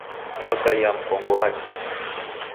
Wakaia mkongo wa akili.